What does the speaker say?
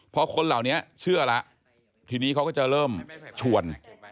พอคนเหล่านี้เชื่อแล้วทีนี้เขาก็จะเริ่มชวน